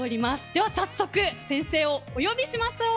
では早速先生をお呼びしましょう。